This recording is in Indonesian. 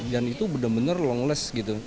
dan itu benar benar long list gitu